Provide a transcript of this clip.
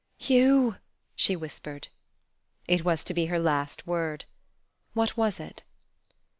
"Hugh!" she whispered. It was to be her last word. What was it?